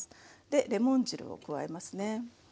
でレモン汁を加えますね。